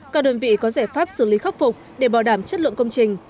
các đơn vị có giải pháp xử lý khắc phục để bảo đảm chất lượng công trình